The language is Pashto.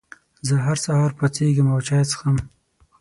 زه هر سهار پاڅېږم او چای څښم.